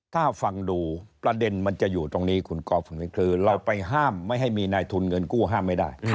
ถ้าฟังดูประเด็นมันจะอยู่ตรงนี้คุณกอล์ฟคุณมินคือเราไปห้ามไม่ให้มีนายทุนเงินกู้ห้ามไม่ได้